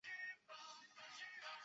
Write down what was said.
元仁宗延佑六年。